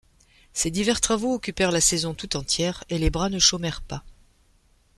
Ces divers travaux occupèrent la saison tout entière, et les bras ne chômèrent pas.